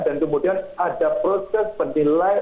dan kemudian ada proses penilai